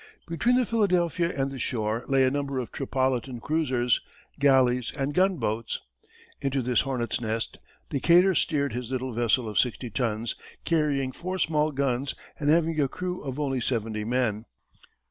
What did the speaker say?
Between the Philadelphia and the shore lay a number of Tripolitan cruisers, galleys and gunboats. Into this hornet's nest, Decatur steered his little vessel of sixty tons, carrying four small guns, and having a crew of only seventy men.